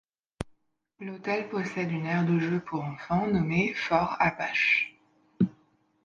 L'hôtel possède une aire de jeux pour enfants nommée Fort Apache.